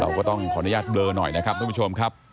ก็ต้องขออนุญาตเบลอหน่อยนะครับท่านผู้ชมครับ